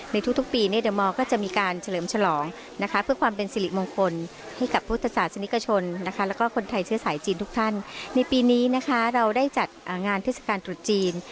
ในปีนี้นะคะเราได้จัดงานเทศกาลตรุษจีน